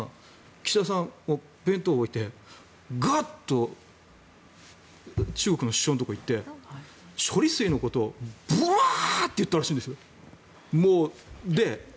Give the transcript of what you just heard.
岸田さんは弁当を置いてがっと中国の首相のところへ行って処理水のことをブワーッと言ったらしいんですよ。